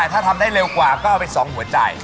ถ้าทำได้เร็วกว่าก็เอาไป๒หัวใจ